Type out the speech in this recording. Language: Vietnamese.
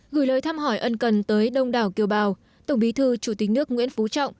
gửi lời thăm hỏi ân cần tới đông đảo kiều bào tổng bí thư chủ tịch nước nguyễn phú trọng